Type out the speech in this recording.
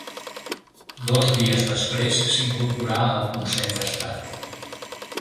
Dos dies després s'incorporà al Consell d'Estat.